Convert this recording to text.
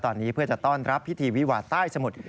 ตอนนี้เพื่อจะต้อนรับพิธีวิวาใต้สมุทร